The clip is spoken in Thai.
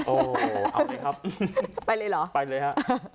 โหเอาเลยครับไปเลยหรอไปเลยฮะ